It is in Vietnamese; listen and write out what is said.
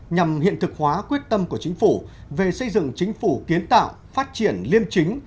nhằm hiện thực hóa quyết tâm của chính phủ về xây dựng chính phủ kiến tạo phát triển liêm chính